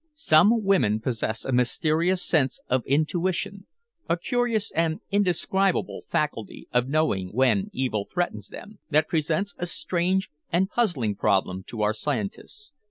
Some women possess a mysterious sense of intuition, a curious and indescribable faculty of knowing when evil threatens them, that presents a strange and puzzling problem to our scientists.